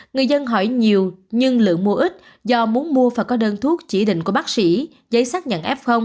người dân hỏi nhiều nhưng lượng mua ít do muốn mua phải có đơn thuốc chỉ định của bác sĩ giấy xác nhận f